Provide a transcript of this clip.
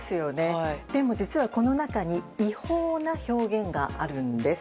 でも、この中に実は違法な表現があるんです。